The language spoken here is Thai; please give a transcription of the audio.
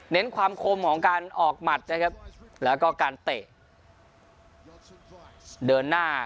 ความคมของการออกหมัดนะครับแล้วก็การเตะเดินหน้า